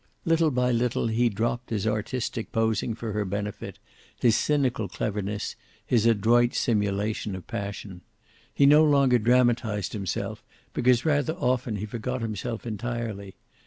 Little by little he had dropped his artistic posing for her benefit, his cynical cleverness, his adroit simulation of passion. He no longer dramatized himself, because rather often he forgot himself entirely.